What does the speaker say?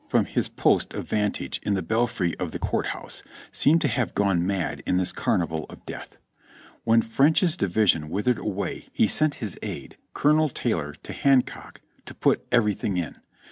from his post of vantage in the belfry of the Court House, seemed to have gone mad in this carnival of death. When French's division withered away he sent his aide. Colonel Taylor to Hancock to "put everything in."